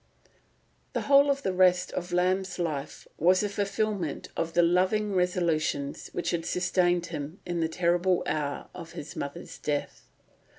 The whole of the rest of Lamb's life was a fulfilment of the loving resolutions which had sustained him in the terrible hour of his mother's death.